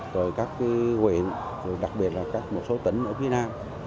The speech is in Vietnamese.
rồi các huyền đặc biệt là một số tấn ở việt nam